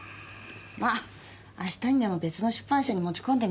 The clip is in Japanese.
まあ明日にでも別の出版社に持ち込んでみますよ。